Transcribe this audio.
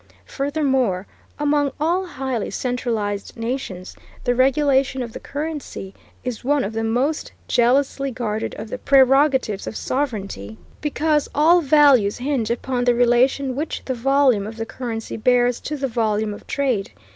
Furthermore, among all highly centralized nations, the regulation of the currency is one of the most jealously guarded of the prerogatives of sovereignty, because all values hinge upon the relation which the volume of the currency bears to the volume of trade.